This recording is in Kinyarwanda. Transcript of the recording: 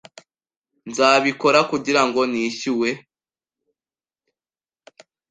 Nzabikora kugira ngo nishyuwe.